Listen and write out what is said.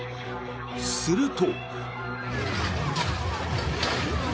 すると。